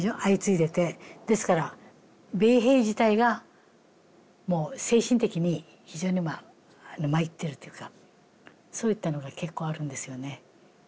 ですから米兵自体がもう精神的に非常にまあ参ってるというかそういったのが結構あるんですよね。